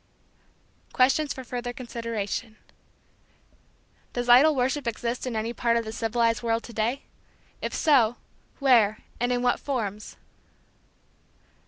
Questions for Further Consideration. Does idol worship exist in any part of the civilized world to day? If so, where and in what forms?